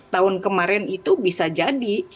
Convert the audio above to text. tahun kemarin itu bisa jadi